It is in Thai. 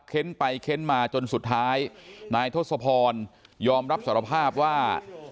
เค้นไปเค้นมาจนสุดท้ายนายทศพรยอมรับสารภาพว่า